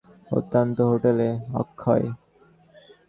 অন্তত হোটেলে– অক্ষয়।